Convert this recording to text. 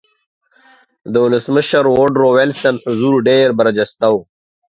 د ولسمشر ووډرو وېلسن حضور ډېر برجسته و